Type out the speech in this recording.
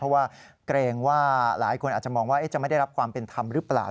เพราะว่าเกรงว่าหลายคนอาจจะมองว่าจะไม่ได้รับความเป็นธรรมหรือเปล่า